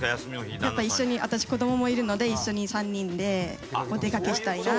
やっぱ一緒に私子供もいるので一緒に３人でお出かけしたいなって。